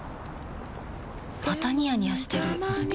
またニヤニヤしてるふふ。